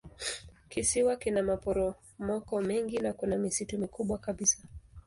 Kisiwa kina maporomoko mengi na kuna misitu mikubwa kabisa.